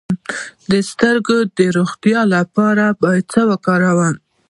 د سترګو د روغتیا لپاره باید څه وکاروم؟